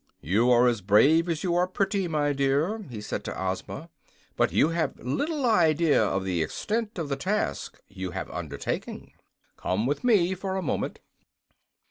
"You are as brave as you are pretty, my dear," he said to Ozma. "But you have little idea of the extent of the task you have undertaken. Come with me for a moment."